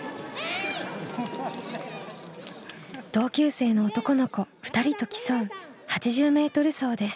同級生の男の子２人と競う８０ｍ走です。